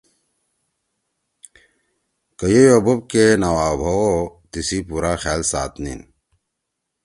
کہ یِیئو بوب کے نہ اوا بھؤ او تِسی پورا خیال ساتنیِن ۔